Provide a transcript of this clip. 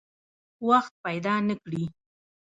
وخت پیدا نه کړي.